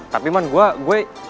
tapi man gua gua